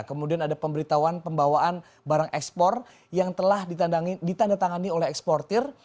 kemudian ada pemberitahuan pembawaan barang ekspor yang telah ditandatangani oleh eksportir